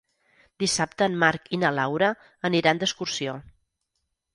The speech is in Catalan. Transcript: Dissabte en Marc i na Laura aniran d'excursió.